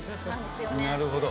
なるほど。